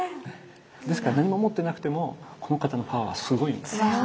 ですから何も持ってなくてもこの方のパワーはすごいんです。